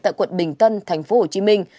tại quận bình tân tp hcm